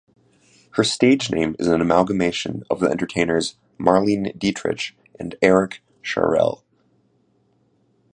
Her stage name is an amalgamation of the entertainers Marlene Dietrich and Erik Charell.